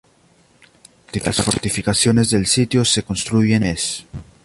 Las fortificaciones del sitio se construyen en un mes.